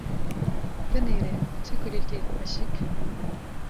Binêre çi kulîlkek xweşik.